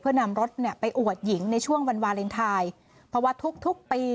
เพื่อนำรถเนี่ยไปอวดหญิงในช่วงวันวาเลนไทยเพราะว่าทุกทุกปี